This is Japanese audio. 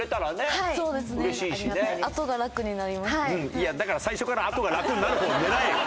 いやだから最初からあとがラクになる方狙えよ。